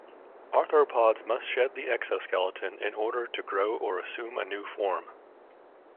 Arthropods must shed the exoskeleton in order to grow or assume a new form.